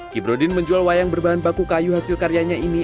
kibrodin menjual wayang berbahan baku kayu hasil karyanya ini